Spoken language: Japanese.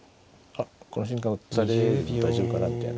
この瞬間打たれるの大丈夫かなみたいな。